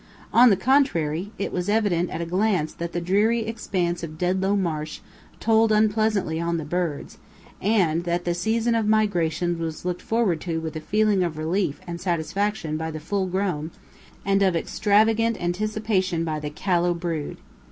On the contrary, it was evident at a glance that the dreary expanse of Dedlow Marsh told unpleasantly on the birds, and that the season of migration was looked forward to with a feeling of relief and satisfaction by the full grown, and of extravagant anticipation by the callow, brood.